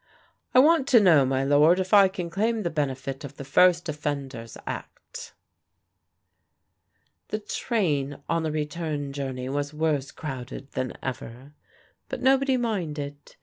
"I want to know, my lord, if I can claim the benefit of the First Offenders Act?" The train on the return journey was worse crowded than ever; but nobody minded.